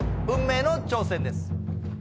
運命の挑戦です